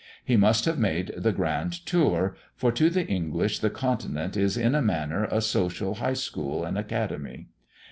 He must have made the grand tour; for to the English the continent is in a manner a social high school and academy.